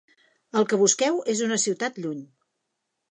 El que busqueu és una ciutat lluny.